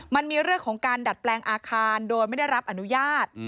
มันมีเรื่องของการดัดแปลงอาคารโดยไม่ได้รับอนุญาต